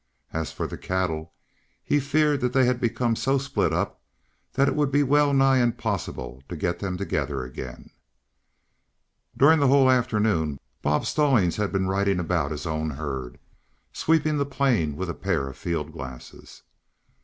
As for the cattle, he feared that they had become so split up that it would be well nigh impossible to get them together again. During the whole afternoon, Bob Stallings had been riding about his own herd, sweeping the plain with a pair of field glasses.